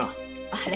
あれ？